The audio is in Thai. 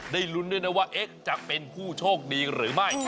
ลุ้นด้วยนะว่าจะเป็นผู้โชคดีหรือไม่